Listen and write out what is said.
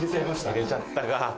入れちゃったか。